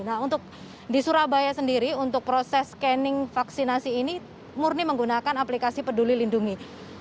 nah untuk di surabaya sendiri untuk proses scanning vaksinasi ini murni menggunakan aplikasi peduli lindungi